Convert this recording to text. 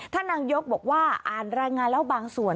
นางยกบอกว่าอ่านรายงานแล้วบางส่วน